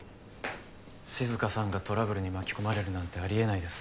静香さんがトラブルに巻き込まれるなんてあり得ないです。